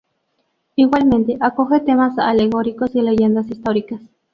Igualmente, acoge temas alegóricos y leyendas históricas.